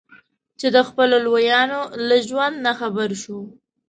چې د خپلو لویانو له ژوند نه خبر شو.